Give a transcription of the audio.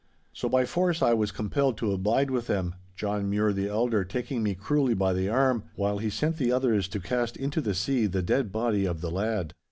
'So by force I was compelled to abide with them, John Mure the elder taking me cruelly by the arm, while he sent the others to cast into the sea the dead body of the lad.